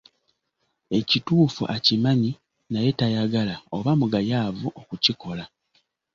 Ekituufu akimanyi naye tayagala oba mugayaavu okukikola.